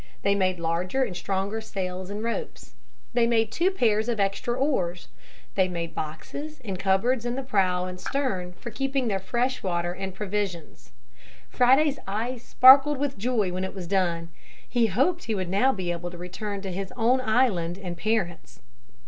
They made larger and stronger sails and ropes. They made two pairs of extra oars. They made boxes and cupboards in the prow and stern for keeping their fresh water and provisions. Friday's eyes sparkled with joy when it was done. He hoped he would now be able to return to his own island and parents.